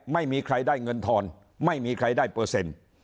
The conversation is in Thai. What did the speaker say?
ไม่มีใครได้เงินทอนไม่มีใครได้เปอร์เซ็นต์